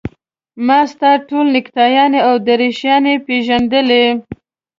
ما ستا ټولې نکټایانې او دریشیانې پېژندلې.